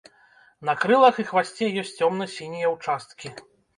На крылах і хвасце ёсць цёмна-сінія ўчасткі.